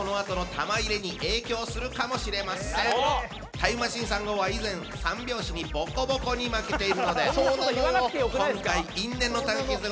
タイムマシーン３号は以前三拍子にボコボコに負けているので今回因縁の対決でございます。